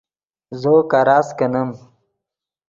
زو کراست کینیم